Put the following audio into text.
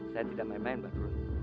saya tidak main main baru